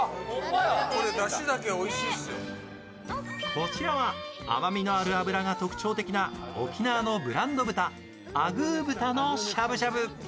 こちらな甘みのある脂が特徴的な沖縄のブランド豚、アグー豚のしゃぶしゃぶ。